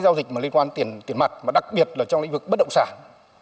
giao dịch liên quan đến tiền mặt đặc biệt là trong lĩnh vực bất động sàn